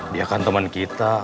dia kan temen kita